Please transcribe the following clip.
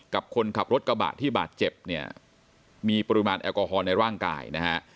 กับคนขับรถกระบะที่บาดเจ็บเนี่ยมีปริมาณแอลกอฮอลในร่างกายนะฮะ